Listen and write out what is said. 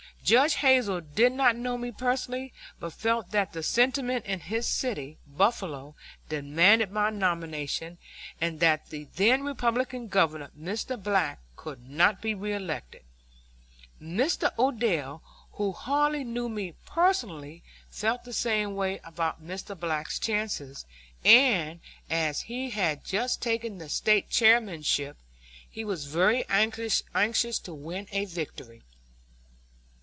Judge Hazel did not know me personally, but felt that the sentiment in his city, Buffalo, demanded my nomination, and that the then Republican Governor, Mr. Black, could not be reelected. Mr. Odell, who hardly knew me personally, felt the same way about Mr. Black's chances, and, as he had just taken the State Chairmanship, he was very anxious to win a victory.